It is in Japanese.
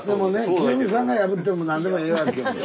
清水さんが破っても何でもええわけよ。